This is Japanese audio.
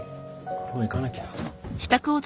もう行かなきゃ。